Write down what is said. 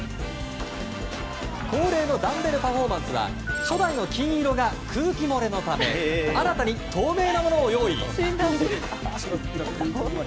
恒例のダンベルパフォーマンスは初代の金色が空気漏れのため新たに透明のものを用意。